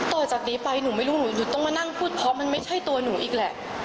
ต่อจากนี้ไปหนูไม่รู้หนูหยุดต้องมานั่งพูดเพราะมันไม่ใช่ตัวหนูอีกแหละ